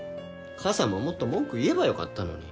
母さんももっと文句言えばよかったのに。